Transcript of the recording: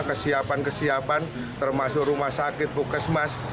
kesiapan kesiapan termasuk rumah sakit pukesmas